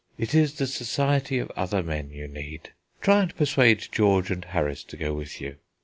It is the society of other men you need. Try and persuade George and Harris to go with you.